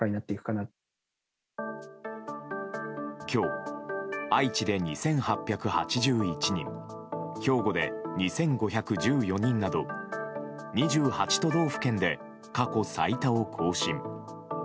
今日、愛知で２８８１人兵庫で２５１４人など２８都道府県で過去最多を更新。